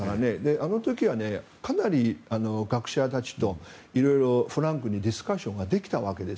あの時はかなり学者たちと色々フランクにディスカッションができたわけです。